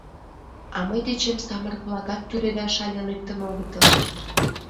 А мый дечем самырык-влакат тӱредаш але лектын огытыл.